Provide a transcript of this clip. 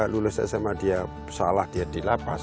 lulus sma dia salah dia dilapas